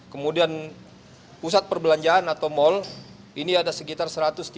kemudian pusat perbelanjaan atau mal ini ada sekitar satu ratus tiga puluh